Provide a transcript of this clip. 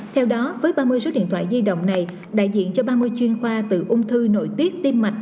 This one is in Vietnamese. theo đó với ba mươi số điện thoại di động này đại diện cho ba mươi chuyên khoa từ ung thư nội tiết tim mạch